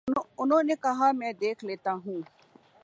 انہوں نے کہا: میں دیکھ لیتا ہوں۔